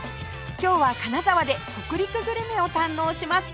今日は金沢で北陸グルメを堪能します